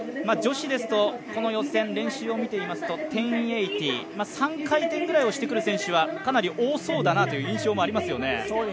女子ですと、予選練習を見てますと１０８０３回転ぐらいしてくる選手はかなり多そうだなという印象もありますよね。